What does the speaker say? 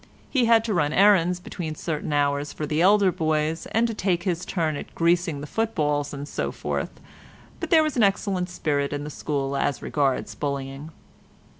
He had to run errands between certain hours for the elder boys, and to take his turn at greasing the footballs, and so forth, but there was an excellent spirit in the school as regards bullying.